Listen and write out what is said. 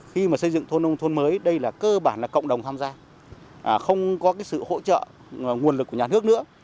khi mà xây dựng thôn nông thôn mới đây là cơ bản là cộng đồng tham gia không có sự hỗ trợ nguồn lực của nhà nước nữa